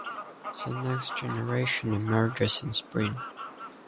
The next generation emerges in spring.